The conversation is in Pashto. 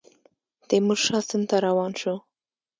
تیمورشاه سند ته روان شو.